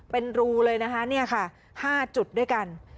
เป็นรูเลยนะคะเนี่ยค่ะ๕จุดด้วยกัน